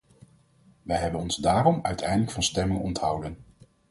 Wij hebben ons daarom uiteindelijk van stemming onthouden.